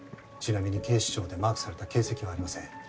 ちなみに警視庁でマークされた形跡はありません。